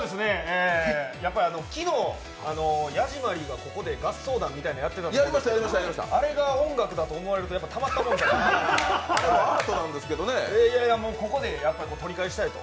やっぱり昨日、ヤジマリーがここで合唱団みたいなのをやってたんですけど、あれが音楽だと思われたらたまったもんじゃないのでやった分をここで取り返したいと。